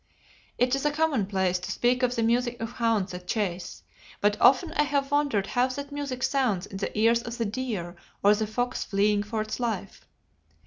It is a commonplace to speak of the music of hounds at chase, but often I have wondered how that music sounds in the ears of the deer or the fox fleeing for its life.